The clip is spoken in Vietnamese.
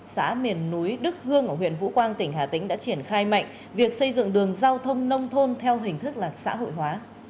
xã miền núi đức hương ở huyện vũ quang tỉnh hà tĩnh đã triển khai mạnh việc xây dựng đường giao thông nông thôn theo hình thức là xã hội hóa